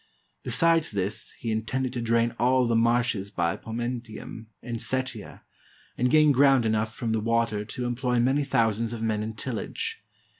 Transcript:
Besides this, he intended to drain all the marshes by Pomentium and Setia, and gain ground enough from the water to employ many thousands of men in tillage.